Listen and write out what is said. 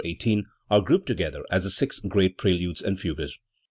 18) are grouped together as the "six great preludes and fugues".